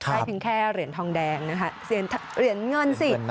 เผ่ยเพียงแค่เหรียญทองแดงเหรียญเงินสิทธิ์